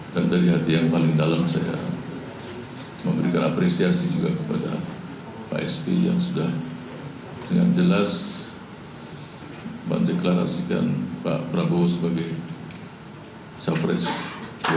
dan dari hati yang paling dalam saya memberikan apresiasi juga kepada pak sp yang sudah dengan jelas mendeklarasikan pak prabowo sebagai surprise dua ribu sembilan belas